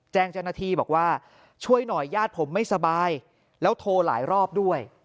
แจ้งเจ้าหน้าที่บอกว่าช่วยหน่อยญาติผมไม่สบายแล้วโทรหลายรอบด้วย